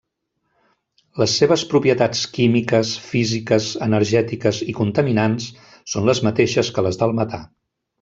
Les seves propietats químiques, físiques, energètiques i contaminants són les mateixes que les del metà.